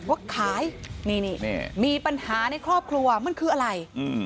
ว่าขายนี่มีปัญหาในครอบครัวมันคืออะไร